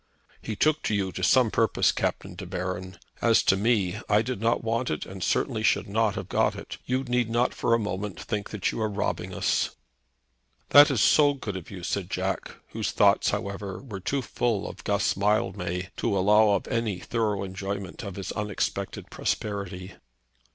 "He took to you to some purpose, Captain De Baron. As to me, I did not want it, and certainly should not have got it. You need not for a moment think that you are robbing us." "That is so good of you!" said Jack, whose thoughts, however, were too full of Guss Mildmay to allow of any thorough enjoyment of his unexpected prosperity.